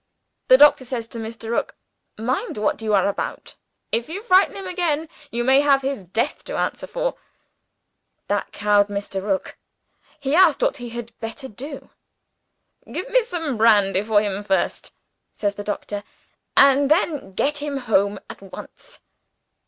The doctor says to Mr. Rook, 'Mind what you are about. If you frighten him again, you may have his death to answer for.' That cowed Mr. Rook. He asked what he had better do. 'Give me some brandy for him first,' says the doctor; 'and then get him home at once.